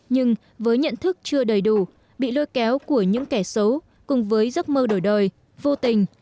nhưng với nhận thức chưa đầy đủ bị lôi kéo của những kẻ xấu cùng với giấc mơ đổi đời vô tình